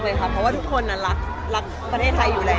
เพราะว่าทุกคนรักประเทศไทยอยู่แล้ว